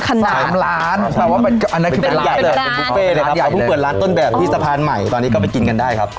อ๋อถ้าอยากเพิ่งเปิดร้านต้นแบบนี้สะพานใหม่ตอนนี้ก็ไปกินกันได้ครับ